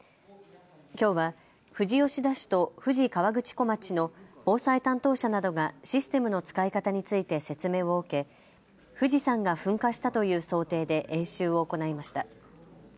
きょうは富士吉田市と富士河口湖町の防災担当者などがシステムの使い方について説明を受け、富士山が噴火したという想定で演習を行いました。